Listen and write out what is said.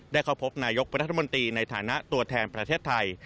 เข้าพบนายกรัฐมนตรีในฐานะตัวแทนประเทศไทย